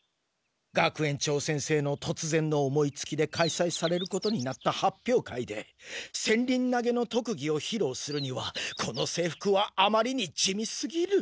学園長先生のとつぜんの思いつきで開催されることになった発表会で戦輪投げの特技をひろうするにはこの制服はあまりに地味すぎる。